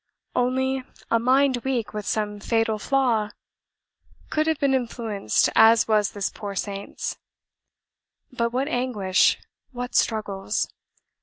Only a mind weak with some fatal flaw COULD have been influenced as was this poor saint's. But what anguish what struggles!